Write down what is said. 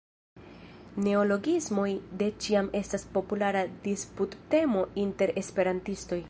Neologismoj de ĉiam estas populara disputtemo inter esperantistoj.